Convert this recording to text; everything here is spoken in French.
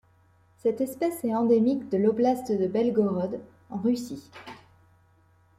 Cette espèce est endémique de l'oblast de Belgorod en Russie.